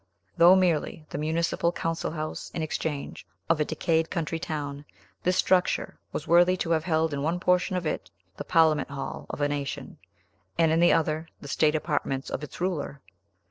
Though merely the municipal council house and exchange of a decayed country town, this structure was worthy to have held in one portion of it the parliament hall of a nation, and in the other, the state apartments of its ruler.